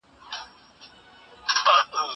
زه پرون د تکړښت لپاره وم!